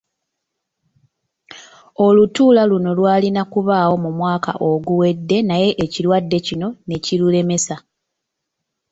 Olutuula luno lwalina kubaawo mu mwaka oguwedde naye ekirwadde kino ne kirulemesa.